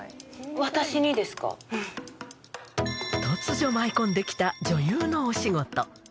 突如舞い込んできた女優のお仕事。